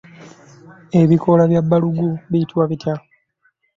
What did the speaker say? Ebikoola bya balugu biyitibwa bitya?